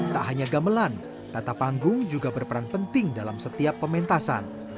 tak hanya gamelan tata panggung juga berperan penting dalam setiap pementasan